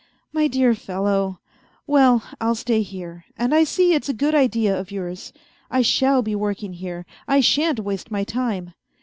" My dear fellow ! Well, I'll stay here ; and I see it's a good idea of yours ; I shall be working here, I shan't waste my time.